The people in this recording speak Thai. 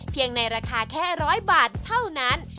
ในราคาแค่๑๐๐บาทเท่านั้น